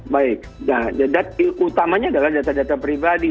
baik nah datanya utamanya adalah data data pribadi